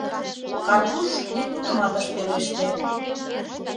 Карпуш ик мутымат ыш пелеште.